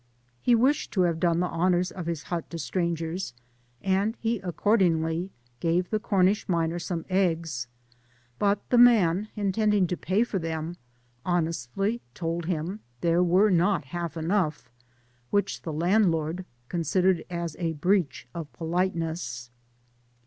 He wished to have done the honours of his hut to strangers, and he accordingly gave the C(»iiish miner some eggs, but the man, intending to pay for them, honestly told him there were not half enough, which the landlord considered as a breach of politeness.